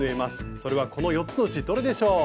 それはこの４つのうちどれでしょう？